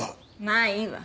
まあいいわ。